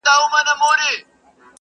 و څښتن د سپي ته ورغله په قار سوه-